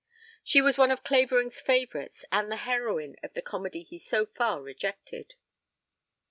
She was one of Clavering's favorites and the heroine of the comedy he so far rejected.